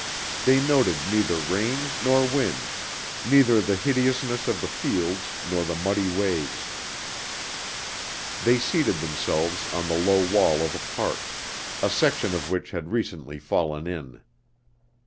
They noted neither rain nor wind, neither the hideousness of the fields nor the muddy ways. They seated themselves on the low wall of a park, a section of which had recently fallen in.